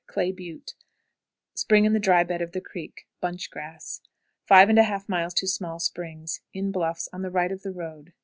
Clay butte. Spring in the dry bed of the creek. Bunch grass. 5 1/2. Small Springs. In bluffs on the right of the road.